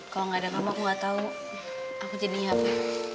kalau gak ada mama aku gak tahu aku jadinya apa